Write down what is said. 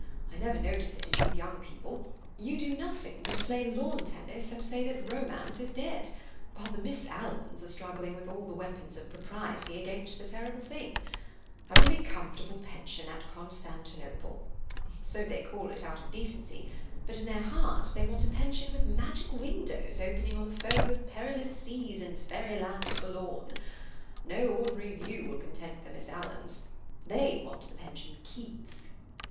I never notice it in you young people; you do nothing but play lawn tennis, and say that romance is dead, while the Miss Alans are struggling with all the weapons of propriety against the terrible thing. 'A really comfortable pension at Constantinople!' So they call it out of decency, but in their hearts they want a pension with magic windows opening on the foam of perilous seas in fairyland forlorn! No ordinary view will content the Miss Alans. They want the Pension Keats."